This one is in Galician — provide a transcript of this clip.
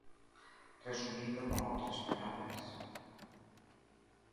Resumindo con outras palabras.